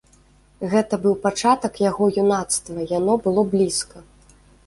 Гэта быў пачатак яго юнацтва, яно было блізка.